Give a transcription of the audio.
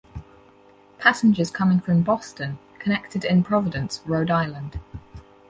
Passengers coming from Boston connected in Providence, Rhode Island.